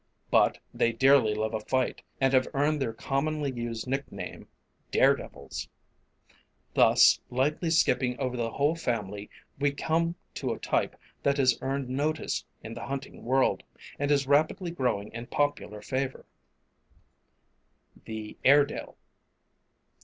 But they dearly love a fight, and have earned their commonly used nick name "Dare devils." Thus lightly skipping over the whole family we come to a type that has earned notice in the hunting world, and is rapidly growing in popular favor. [Illustration: Airedale.] THE AIREDALE.